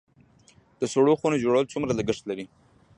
د سړو خونو جوړول څومره لګښت لري؟